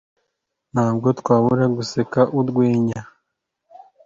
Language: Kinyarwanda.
Ntabwo twabura guseka urwenya.